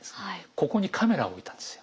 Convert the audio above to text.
ここにカメラを置いたんですよ。